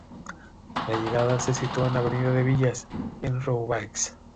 La llegada se situó en la Avenida de Villas, en Roubaix.